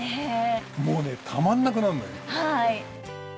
もうねたまんなくなるのよ。